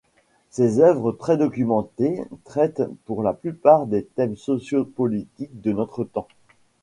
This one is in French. Ses œuvres, très documentées, traitent pour la plupart de thèmes sociaux-politiques de notre temps.